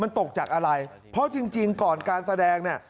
มันตกจากอะไรเพราะจริงก่อนการแสดงเนี่ย